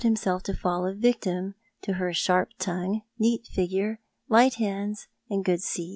solf to full a victim to her sharp tongue, neat figure, light hands, and good seat.